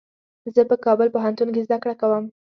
زه په کابل پوهنتون کي زده کړه کوم.